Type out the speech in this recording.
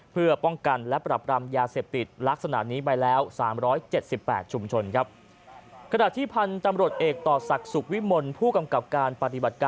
เพื่อป้องกันและปรับรามยาเสพติดลักษณะนี้ไปแล้ว๓๗๘ชุมชนครับ